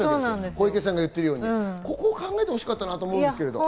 小池さんが言っているように、ここを考えてほしかったんですけど。